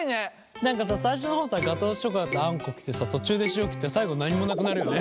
何かさ最初の方さガトーショコラとあんこ来てさ途中で塩来て最後何もなくなるよね。